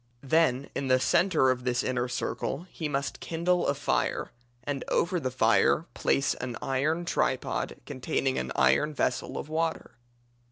Then, in the centre of this inner circle he must kindle a fire, and over the fire place an iron tripod containing an iron vessel of water.